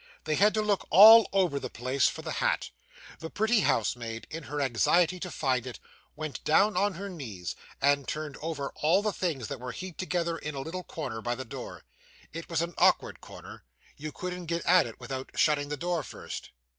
They had to look all over the place for the hat. The pretty housemaid, in her anxiety to find it, went down on her knees, and turned over all the things that were heaped together in a little corner by the door. It was an awkward corner. You couldn't get at it without shutting the door first.